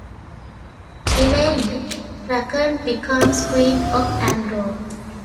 Elayne Trakand becomes Queen of Andor.